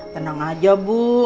tenang aja bu